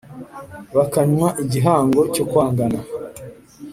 bakanywa igihango cyo kwangana